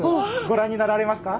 ご覧になられますか？